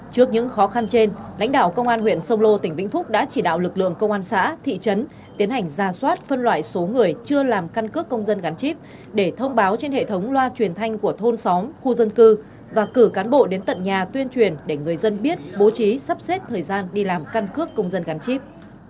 trước những khó khăn trên lãnh đạo công an huyện sông lô tỉnh vĩnh phúc đã chỉ đạo lực lượng công an xã thị trấn tiến hành ra soát phân loại số người chưa làm căn cước công dân gắn chip để thông báo trên hệ thống loa truyền thanh của thôn xóm khu dân cư và cử cán bộ đến tận nhà tuyên truyền để người dân biết bố trí sắp xếp thời gian đi làm căn cước công dân gắn chip